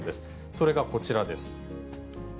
それがこちらです。